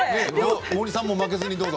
森さんも、負けずにどうぞ。